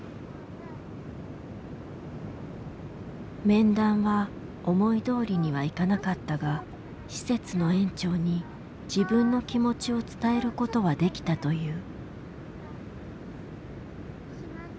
面談は思いどおりにはいかなかったが施設の園長に自分の気持ちを伝えることはできたという。